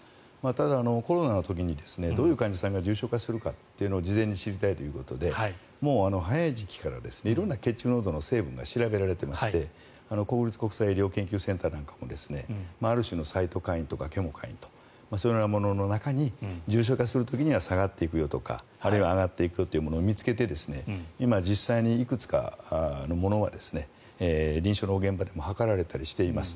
ただ、コロナの時にどういう患者さんが重症化するかというのを事前に知りたいということで早い時期から色んな血中濃度の成分が調べられていまして国立国際医療研究センターなんかもある種のサイトカインとかそういうものの中に重症化する時には下がっていくよとかもしくは上がっていくよというものを見つけて今、実際にいくつかは臨床の現場でも測られています。